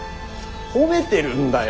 褒めてるんだよ。